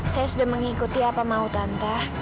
saya sudah mengikuti apa mau tante